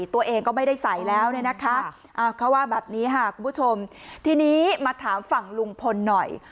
ตัวเองก็ไม่ได้ใส่แล้วเนี่ยนะคะเขาว่าแบบนี้ค่ะคุณผู้ชมทีนี้มาถามฝั่งลุงพลหน่อย